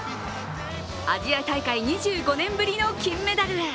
アジア大会２５年ぶりの金メダルへ。